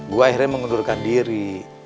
gue akhirnya mengundurkan diri